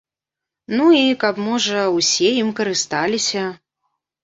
Ну, і каб, можа, усе ім карысталіся.